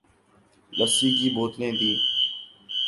لسی کی بوتلیں دی ۔